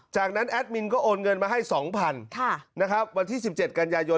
จากนั้นแอดมินก็โอนเงินมาให้๒๐๐๐นะครับวันที่๑๗กันยายน